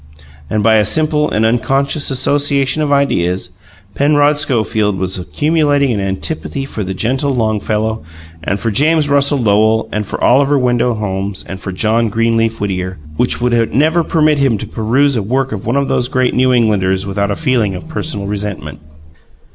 And by a simple and unconscious association of ideas, Penrod Schofield was accumulating an antipathy for the gentle Longfellow and for James Russell Lowell and for Oliver Wendell Holmes and for John Greenleaf Whittier, which would never permit him to peruse a work of one of those great New Englanders without a feeling of personal resentment.